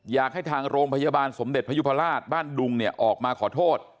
อยากให้ทางโรงพยาบาลสมเด็จพยุพราชบ้านดุงเนี่ยออกมาขอโทษ